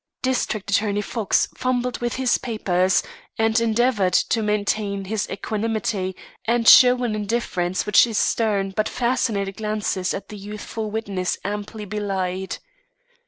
District Attorney Fox fumbled with his papers, and endeavoured to maintain his equanimity and show an indifference which his stern but fascinated glances at the youthful witness amply belied.